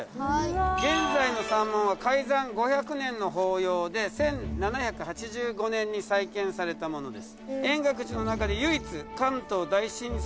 現在の山門は開山５００年の法要で１７８５年に再建されたものです。